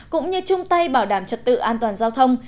cũng như chung tay bảo đảm trật tự an toàn giao thông